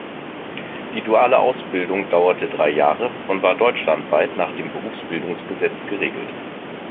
Die duale Ausbildung dauerte drei Jahre und war deutschlandweit nach dem Berufsbildungsgesetz geregelt.